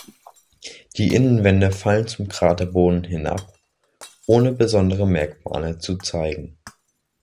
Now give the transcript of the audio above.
Die Innenwände fallen zum Kraterboden hin ab, ohne besondere Merkmale zu zeigen.